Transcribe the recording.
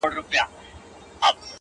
چي دولتمند یې که دربدر یې!